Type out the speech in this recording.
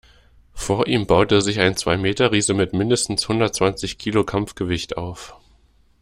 Vor ihm baute sich ein Zwei-Meter-Riese mit mindestens hundertzwanzig Kilo Kampfgewicht auf.